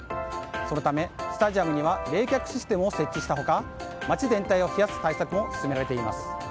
そのため、スタジアムには冷却システムを設置した他街全体を冷やす対策も進められています。